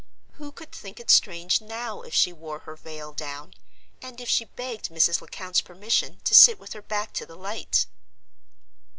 Who could think it strange now if she wore her veil down, and if she begged Mrs. Lecount's permission to sit with her back to the light?